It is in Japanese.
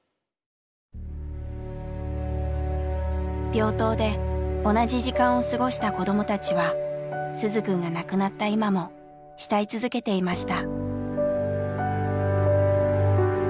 病棟で同じ時間を過ごした子どもたちは鈴くんが亡くなった今も慕い続けていました。